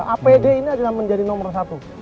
apd ini adalah menjadi nomor satu